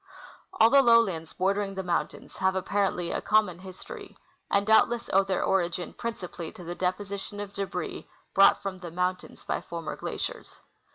All the lowlands bordering the mountains have, apparently, a common histor}^, and doubtless owe their origin principally to the deposition of debris brought from the moun tains by former glaciers.